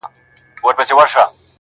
• نن دي سترګو کي تصویر را سره خاندي,